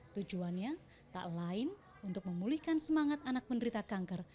tujuannya tak lain untuk memulihkan semangat anak menderita kanker